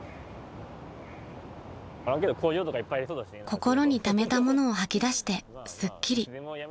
［心にためたものを吐き出してすっきり］